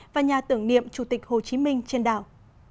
và nhà tưởng niệm chủ tịch hồ chí minh trên đảo